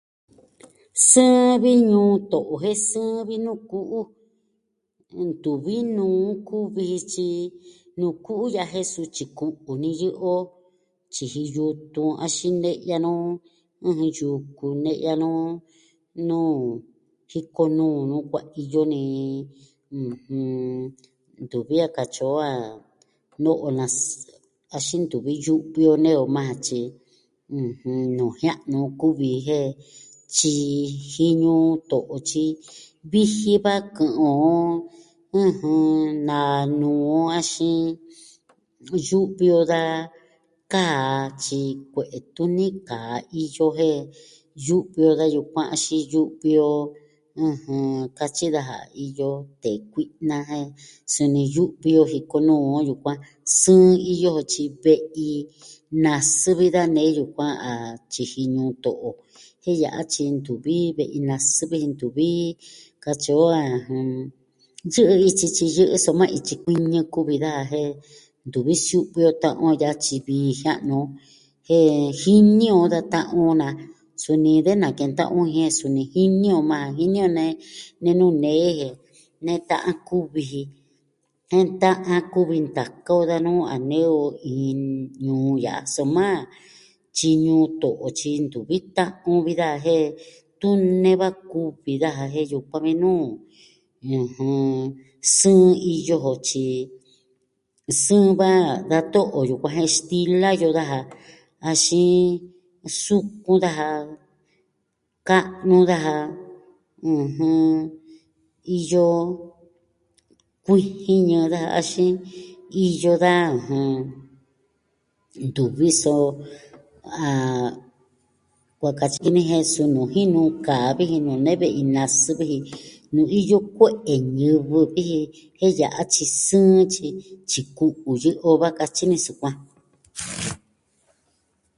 Sɨɨn vi ñuu to'o jen, sɨɨn vi nuu ku'u. Ntuvi nuu kuvi ji. Tyi, nuu ku'u ya'a jen sutyi ku'u niyɨ o. Tyiji yutun, axin ne'ya nu ɨjɨn, yuku ne'ya nu nuu, jiko nu nuu kuaiyo ni... ɨjɨn... Ntuvi a katyi o a no'o nasɨ, axin ntuvi yu'vi o nee o maa ja. Tyi, ɨjɨn, nuu jia'nu kuvi, jen tyiji ñuu to'o, tyi viji va kɨ'ɨn on. ɨjɨn naa nuu on, axin yu'vi o da kaa. Tyi kue'e tuni kaa iyo jen yu'vi o da yukuan axin yu'vi o, ɨjɨn. Katyi daja iyo tee kui'na, jen suni yu'vi o jiko nuu on yukuan. Sɨɨn iyo, tyi ve'i nasɨ vi da nee yukuan a tyiji ñuu to'o. Jen ya'a tyi ntuvi ve'i nasɨ viji ntuvi. Katyi o a, jɨn, nsɨ'ɨ ityi tyi yɨ'ɨ, soma ityi kuiñɨ kuvi daja. Jen ntuvi xu'vi o ta'an on yatyi vi jiano. Jen jini o da ta'an on na. Suni de nakenta'an on. Jen suni jini o maa ja. Jini o nee, nenu nee je. Ne ta'an kuvi ji. Jen nta'an kuvi ntaka o da nuu a nee o iin ñuu ya'a. Soma, tyi ñuu to'o tyi ntuvi ta'an on vi daja. Jen tun neva kuvi daja jen yukuan vi nuu, ɨjɨn, sɨɨn iyo jo. Tyi... sɨɨn va da to'o yukuan jen stila yo daja. Axin... sukun daja, ka'nu daja. ɨjɨn... iyo kuijin ñɨɨ daja. Axin, iyo da, ɨjɨn... Ntuvi so, ah, kua katyi ki ni jen su nuu jinu kaa vi ji nuu nee ve'i nasɨ vi ji. Nuu iyo kue'e ñivɨ vi ji. jen ya'a tyi sɨɨn tyi ku'u yɨ'ɨ o va. Katyi ni sukuan.